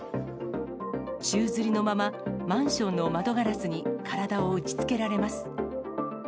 宙づりのまま、マンションの窓ガラスに体を打ちつけられます。